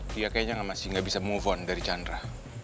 dia kayaknya masih gak bisa move on dari chandra